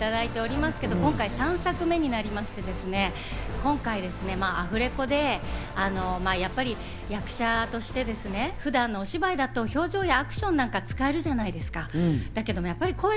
今回３作目になりまして、今回アフレコでやっぱり役者として、普段のお芝居だと表情やアクションなんかが使えるじゃないですか。